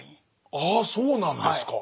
ああそうなんですか。